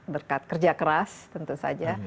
berkat kerja keras tentu saja